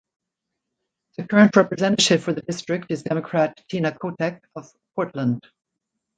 The current representative for the district is Democrat Tina Kotek of Portland.